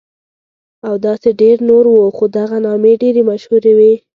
او داسې ډېر نور وو، خو دغه نامې ډېرې مشهورې وې.